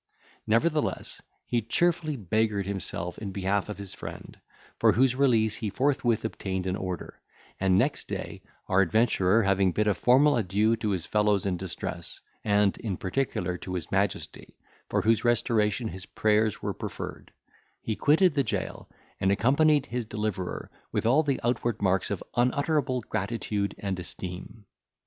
Nevertheless, he cheerfully beggared himself in behalf of his friend, for whose release he forthwith obtained an order; and, next day, our adventurer, having bid a formal adieu to his fellows in distress, and, in particular, to his majesty, for whose restoration his prayers were preferred, he quitted the jail, and accompanied his deliverer, with all the outward marks of unutterable gratitude and esteem.